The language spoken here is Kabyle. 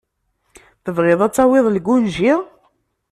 Tebɣiḍ ad tawiḍ lgunji?